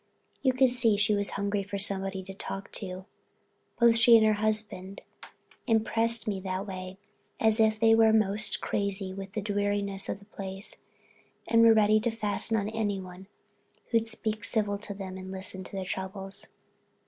You could see she was hungry for someone to talk to. Both she and her husband impressed me that way, as if they were most crazy with the dreariness of the place, and were ready to fasten on anybody who'd speak civil to them and listen to their troubles.